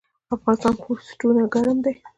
د افغانستان پوستینونه ګرم دي